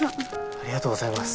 ありがとうございます。